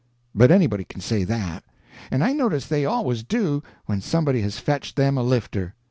But anybody can say that—and I notice they always do, when somebody has fetched them a lifter.